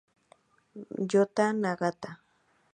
Ryota Nagata